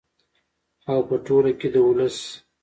او په ټوله کې د ولس